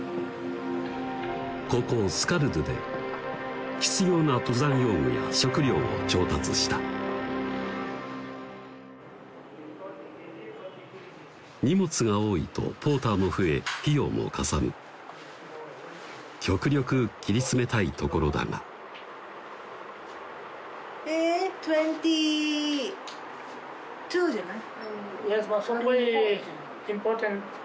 ここスカルドゥで必要な登山用具や食料を調達した荷物が多いとポーターも増え費用もかさむ極力切り詰めたいところだがえトゥエンティートゥじゃない？